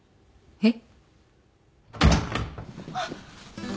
えっ？